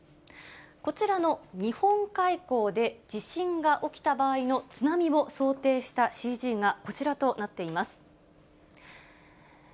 こちらの日本海溝で地震が起きた場合の津波を想定したＣＧが、こちらとなっています。